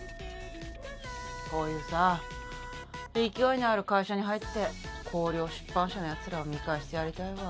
こういうさ勢いのある会社に入って光陵出版社のやつらを見返してやりたいわ。